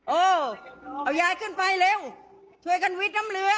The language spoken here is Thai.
เออเอายายขึ้นไปเร็วช่วยกันวิดน้ำเรือ